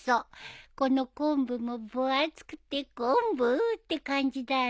この昆布も分厚くて昆布って感じだよね。